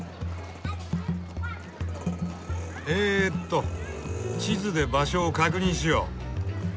ええっと地図で場所を確認しよう。